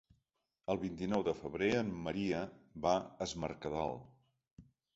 El vint-i-nou de febrer en Maria va a Es Mercadal.